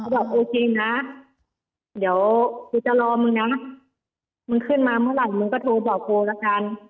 บอกโอเคนะเดี๋ยวกูจะรอมึงแล้วนะมึงขึ้นมาเมื่อไหร่มึงก็โทรบอกกูละกัน